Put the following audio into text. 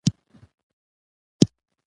انسان د وسایلو پر مټ محدودیت جبرانوي.